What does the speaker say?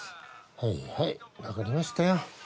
はいはい分かりましたよ。